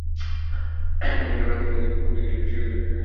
রাত তিনটার দিকে ঘুম থেকে জেগে শিয়রে দুজনকে দাঁড়িয়ে থাকতে দেখেন।